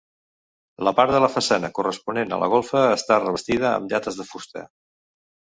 La part de la façana corresponent a la golfa està revestida amb llates de fusta.